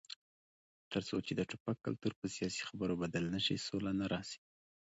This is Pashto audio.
تر څو چې د ټوپک کلتور په سیاسي خبرو بدل نشي، سوله نه راځي.